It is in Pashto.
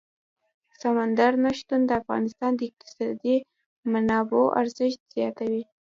سمندر نه شتون د افغانستان د اقتصادي منابعو ارزښت زیاتوي.